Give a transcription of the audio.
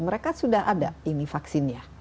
mereka sudah ada ini vaksinnya